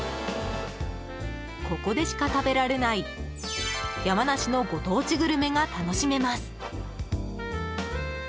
ここでしか食べられない山梨のご当地グルメが楽しめます。